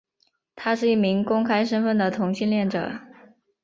他是一名公开身份的同性恋者。